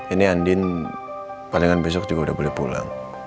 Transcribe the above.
ini andin palingan besok juga udah boleh pulang